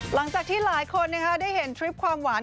หลังจากที่หลายคนได้เห็นทริปความหวาน